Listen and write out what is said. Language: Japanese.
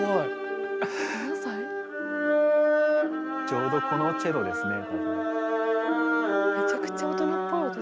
ちょうどこのチェロですね。